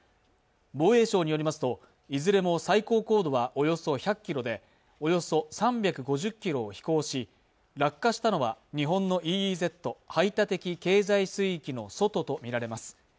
防衛省によりますと、いずれも最高高度はおよそ１００ｋｍで、およそ３５０ｋｍを飛行し落下したのは、日本のＥＥＺ＝排他的経済水域の外とみられます。